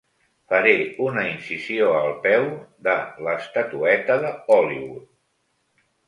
Faré una incisió al peu de l¡'estatueta de Hollywood.